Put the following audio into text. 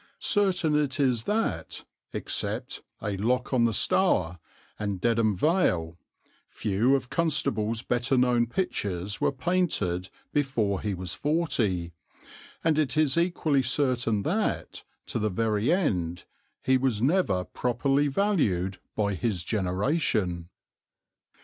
Certain it is that, except A Lock on the Stour and Dedham Vale, few of Constable's better known pictures were painted before he was forty; and it is equally certain that, to the very end, he was never properly valued by his generation.